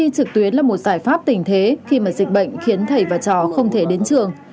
trực tuyến là một giải pháp tình thế khi mà dịch bệnh khiến thầy và trò không thể đến trường